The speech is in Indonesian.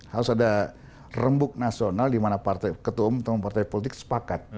harus ada rembuk nasional di mana ketua umum partai politik sepakat